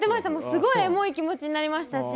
すごいエモい気持ちになりましたし。